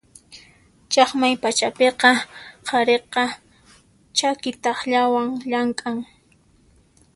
Chaqmay pachapiqa qhariqa chaki takllawan llamk'an.